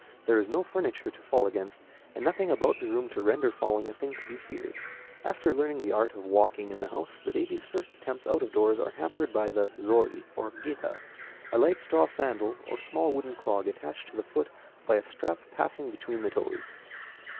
There is no furniture to fall against, and nothing about the room to render falling a thing to be feared. After learning the art of walking in the house, the baby's first attempts out of doors are hampered by the zori or géta, a light straw sandal or small wooden clog attached to the foot by a strap passing between the toes.